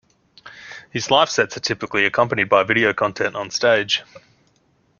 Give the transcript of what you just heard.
His live sets are typically accompanied by video content on stage.